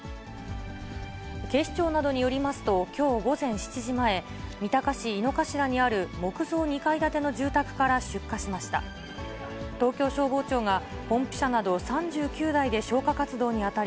警視庁などによりますと、きょう午前７時前、三鷹市井の頭にある木造２階建ての住宅から出火しました。